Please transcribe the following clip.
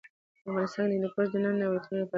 افغانستان کې هندوکش د نن او راتلونکي لپاره ارزښت لري.